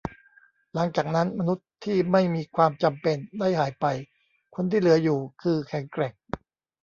หลังจากนั้น มนุษย์ที่ไม่มีความจำเป็นได้หายไป คนที่เหลืออยู่คือแข็งแกร่ง